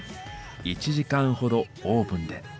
１時間ほどオーブンで。